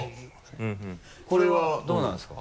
これはどうですか？